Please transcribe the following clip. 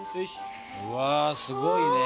うわすごいね。